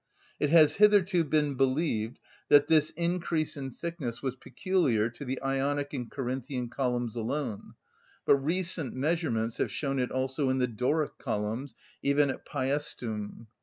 It has hitherto been believed that this increase in thickness was peculiar to the Ionic and Corinthian columns alone, but recent measurements have shown it also in the Doric columns, even at Pæstum.